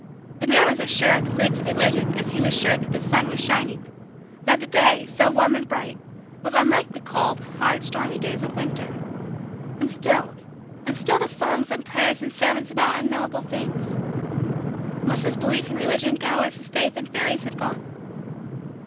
The man was as sure of the fruits of Religion as he was sure that the sun was shining that the day, so warm and bright, was unlike the cold, hard, stormy, days of winter. And still and still the songs and prayers and sermons about unknowable things must his belief in Religion go as his faith in fairies had gone?